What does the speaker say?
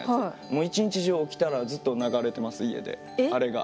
もう一日中起きたらずっと流れてます家であれが。